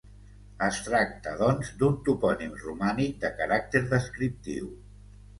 Es tracta, doncs, d'un topònim romànic de caràcter descriptiu.